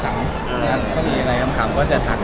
มีมีมีมีมีมีมีมีมีมีมีมี